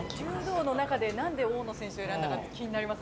柔道の中でなんで大野選手を選んだかって気になります。